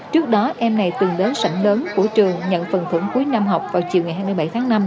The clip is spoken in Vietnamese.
trước đó em này từng đến sảnh lớn của trường nhận phần thưởng cuối năm học vào chiều ngày hai mươi bảy tháng năm